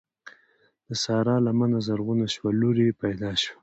د سارا لمنه زرغونه شوه؛ لور يې پیدا شوه.